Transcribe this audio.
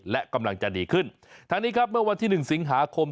และกำลังจะดีขึ้นทางนี้ครับเมื่อวันที่หนึ่งสิงหาคม